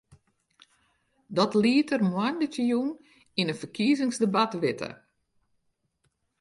Dat liet er moandeitejûn yn in ferkiezingsdebat witte.